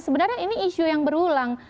sebenarnya ini isu yang berulang